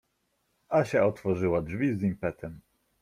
Asia otworzyła drzwi z impetem.